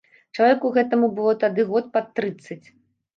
Чалавеку гэтаму было тады год пад трыццаць.